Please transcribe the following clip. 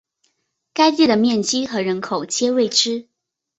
该地的面积和人口皆未知。